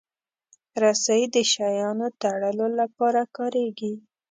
رسۍ د شیانو تړلو لپاره کارېږي.